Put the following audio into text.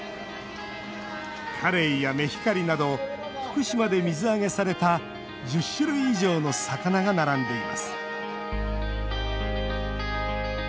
カレイやメヒカリなど福島で水揚げされた１０種類以上の魚が並んでいます。